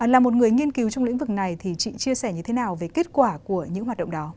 là một người nghiên cứu trong lĩnh vực này thì chị chia sẻ như thế nào về kết quả của những hoạt động đó